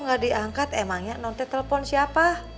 gak diangkat emangnya non teh telpon siapa